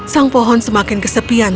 sang pohon semakin kesepian